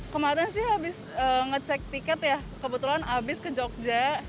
kemarin sih habis ngecek tiket ya kebetulan habis ke jogja